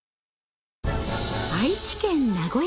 愛知県名古屋市。